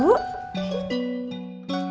terima kasih ya assalamu'alaikum